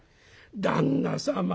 「旦那様」。